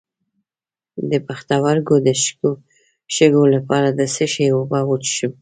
د پښتورګو د شګو لپاره د څه شي اوبه وڅښم؟